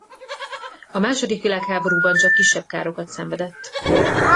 A második világháborúban csak kisebb károkat szenvedett.